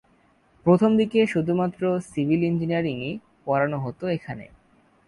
প্রথম দিকে শুধুমাত্র সিভিল ইঞ্জিনিয়ারিং-ই পড়ানো হত এখানে।